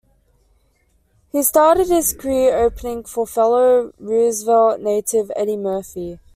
He started his career opening for fellow Roosevelt native Eddie Murphy.